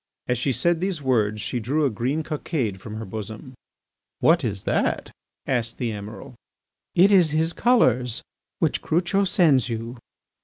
As she said these words she drew a green cockade from her bosom. "What is that?" asked the Emiral. "It is his colours which Crucho sends you."